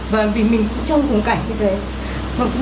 và vì mình cũng trong khung cảnh như thế